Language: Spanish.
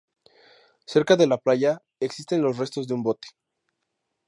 Cerca de la playa, existen los restos de un bote.